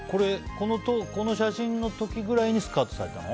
この写真の時くらいにスカウトされたの？